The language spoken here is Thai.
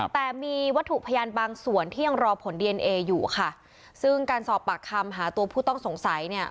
แต่มีวัตถุพยานบางส่วนที่ยังรอผลดีเอนเออยู่ค่ะซึ่งการสอบปากคำหาตัวผู้ต้องสงสัยเนี่ย